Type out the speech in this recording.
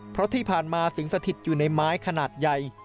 เพราะที่ผ่านมาสิงสถิตอยู่ในไม้ขนาดใหญ่